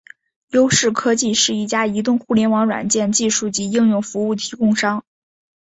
优视科技是一家移动互联网软件技术及应用服务提供商。